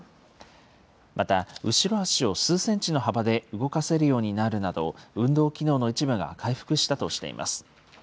また後ろ足を数センチの幅で動かせるようになるなど、運動機能の一部が回復したとしています。